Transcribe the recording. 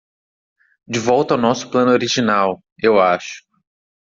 De volta ao nosso plano original? eu acho.